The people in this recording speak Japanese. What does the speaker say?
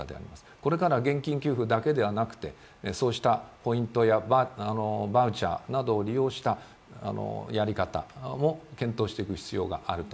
これからは現金給付だけではなくてそうしたポイントやバウチャーなどを利用したやり方も検討していく必要があると。